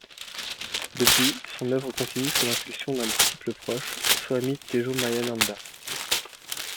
Depuis, son œuvre continue sous l'impulsion d'un disciple proche, Swami Tejomayananda.